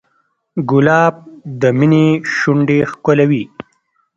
ګلاب د مینې شونډې ښکلوي.